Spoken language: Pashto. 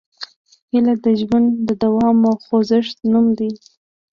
هیله د ژوند د دوام او خوځښت نوم دی.